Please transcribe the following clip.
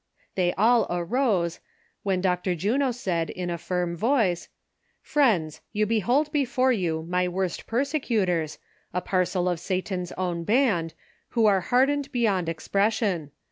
They all arose, when Dr. Juno said, in a firm voice :'^ Friends, you behold before you my worst persecutors, a i)arcel of Satan's own band, who are hardened beyond exi)ression.